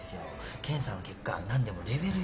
検査の結果何でもレベル４。